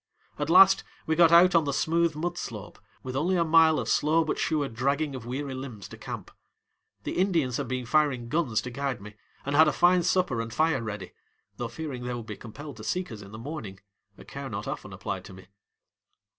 At last we got out on the smooth mud slope with only a mile of slow but sure dragging of weary limbs to camp. The Indians had been firing guns to guide me and had a fine supper and fire ready, though fearing they would be compelled to seek us in the morning, a care not often applied to me.